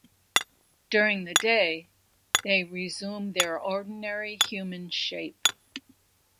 During the day they resume their ordinary human shape.